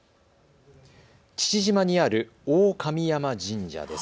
父島にある大神山神社です。